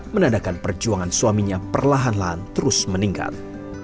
menandakan perjuangan suaminya perlahan lahan terus meningkat